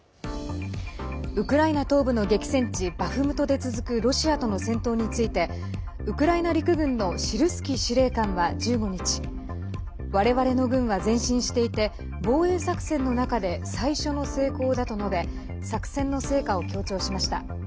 ウクライナ東部の激戦地バフムトで続くロシアとの戦闘についてウクライナ陸軍のシルスキー司令官は１５日我々の軍は前進していて防衛作戦の中で最初の成功だと述べ作戦の成果を強調しました。